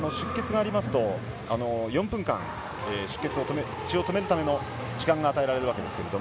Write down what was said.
出血がありますと、４分間出血を止めるための時間が与えられるわけです。